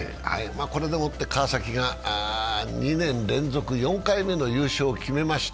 これで川崎が２年連続４回目の優勝を決めました。